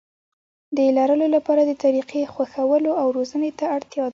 د لرلو لپاره د طريقې خوښولو او روزنې ته اړتيا ده.